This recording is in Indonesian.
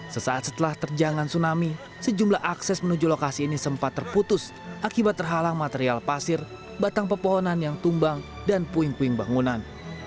sesaat setelah terjangan tsunami sejumlah akses menuju lokasi ini sempat terputus akibat terhalang material pasir batang pepohonan yang tumbang dan puing puing bangunan